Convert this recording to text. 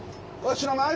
知らない？